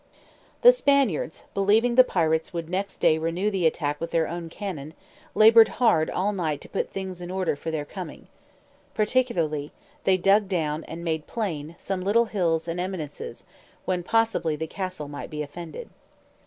The Spaniards believing the pirates would next day renew the attack with their own cannon, laboured hard all night to put things in order for their coming; particularly, they dug down, and made plain, some little hills and eminences, when possibly the castle might be offended.